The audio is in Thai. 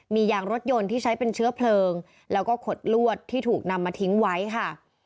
มียางรถยนต์ที่ใช้เป็นเชื้อเพลิงแล้วก็ขดลวดที่ถูกนำมาทิ้งไว้ค่ะ